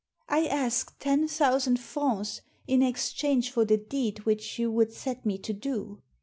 I ask ten thousand francs in exchange for the deed which you would set me to do.